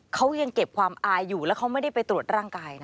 เขายังเก็บความอายอยู่แล้วเขาไม่ได้ไปตรวจร่างกายนะ